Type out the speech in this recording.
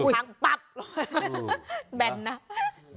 ในบ้านคล้อนจะหลับ